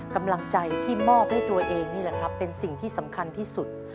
กำลังใจที่มอบให้ตัวเองนี่แหละครับเป็นสิ่งที่สำคัญที่สุด